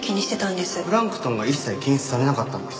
プランクトンが一切検出されなかったんです。